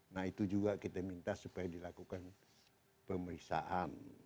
nah itu juga kita minta supaya dilakukan pemeriksaan